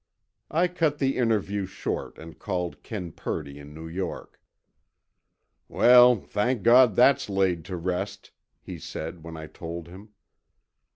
I cut the interview short and called Ken Purdy in New York. "Well, thank God that's laid to rest," he said when I told him.